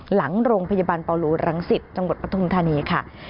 หลังโรงพยาบาลปาหลูรังสิตจังหวัดปฐุมธานีค่ะ